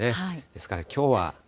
ですから、きょうは。